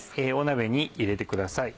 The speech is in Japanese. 鍋に入れてください。